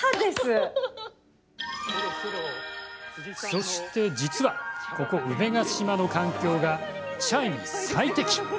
そして、実はここ梅ケ島の環境がチャイに最適。